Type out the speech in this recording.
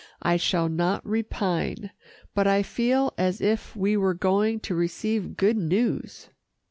I shall not repine, but I feel as if we were going to receive good news."